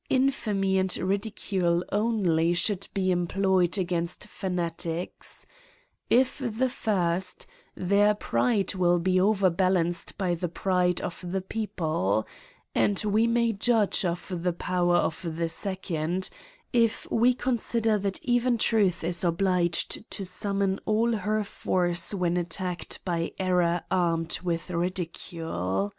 Infamy and ridi cule only should be employed against fanatics : if \hfe first, their pride will be overbalanced by the pride of the people; and we may judge of the power of dae second, if we consider that even truth is obliged to summon all her force when at tacked by error armed with ridicule.